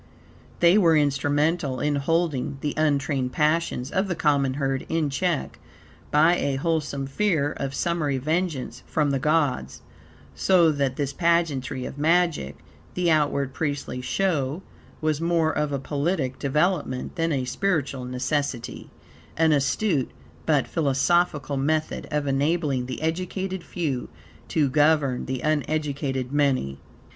They were instrumental in holding the untrained passions of the common herd in check, by a wholesome fear of summary vengeance from the gods, so that this pageantry of magic, the outward priestly show, was more of a politic development than a spiritual necessity, an astute but, philosophical method of enabling the educated few to govern the uneducated many.